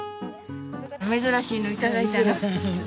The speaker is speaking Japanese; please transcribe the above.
珍しいの頂いたの？